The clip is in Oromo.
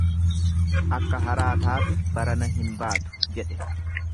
Akka haraa taatu barana hin baatu jedhe.